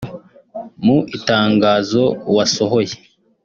Mu itangazo wasohoye